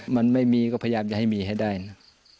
มันไม่มีก็พยายามจะให้มีให้ได้นะ